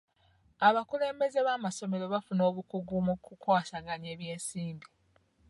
Abakulembeze b'amasomero baafuna obukugu mu kukwasaganya eby'ensimbi.